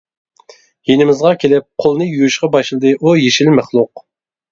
يېنىمىزغا كېلىپ قولىنى يۇيۇشقا باشلىدى، ئۇ يېشىل مەخلۇق.